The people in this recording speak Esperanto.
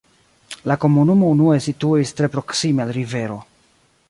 La komunumo unue situis tre proksime al rivero.